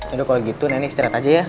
ya udah kalau gitu nenek istirahat aja ya